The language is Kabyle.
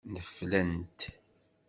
Neflent.